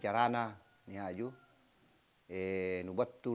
jadi alunan menganjurkan basing